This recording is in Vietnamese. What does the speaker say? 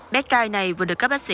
bé cai này vừa được các bạn xem